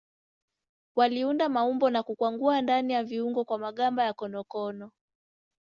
Waliunda maumbo na kukwangua ndani ya viungu kwa magamba ya konokono.